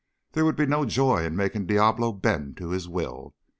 There would be no joy in making Diablo bend to his will.